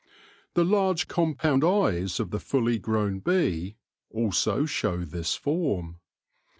The large compound eyes of the fully grown bee also show this form.